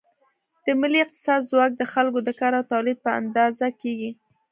د ملي اقتصاد ځواک د خلکو د کار او تولید په اندازه کېږي.